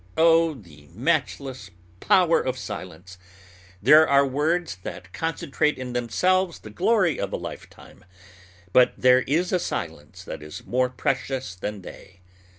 _ O, the matchless power of silence! There are words that concentrate in themselves the glory of a lifetime; but there is a silence that is more precious than they.